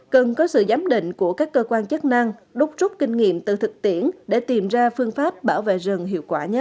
cần có sự giám định của các cơ quan chất năng đốt rút kinh nghiệm từ thực tiễn để tìm ra phương pháp bảo vệ rừng hiệu quả